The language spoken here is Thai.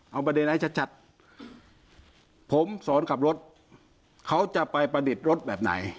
เอาประเด็นให้ชัดผมสอนขับรถเขาจะไปประดิษฐ์รถแบบไหน